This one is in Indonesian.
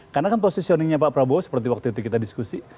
karena kan posisioningnya pak prabowo seperti waktu itu kita diskusi